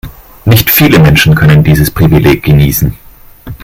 Nicht viele Menschen können dieses Privileg genießen.